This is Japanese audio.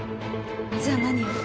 じゃあ何を。